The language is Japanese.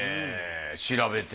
調べて。